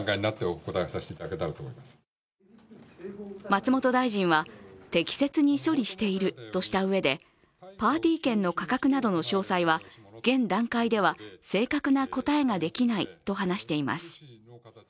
松本大臣は適切に処理しているとしたうえでパーティー券の価格などの詳細は現段階では正確な答えができないと話しています。